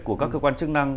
của các cơ quan chức năng